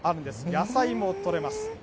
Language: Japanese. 野菜も取れます。